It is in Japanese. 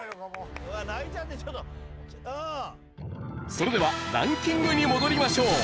それではランキングに戻りましょう。